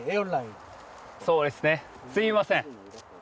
そうですねすみません